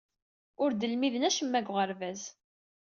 Ur d-lmiden acemma deg uɣerbaz.